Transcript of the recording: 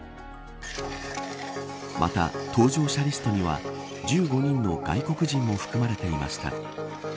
また、搭乗者リストには１５人の外国人も含まれていました。